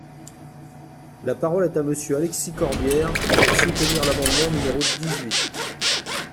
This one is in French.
La parole est à Monsieur Alexis Corbière, pour soutenir l’amendement numéro dix-huit.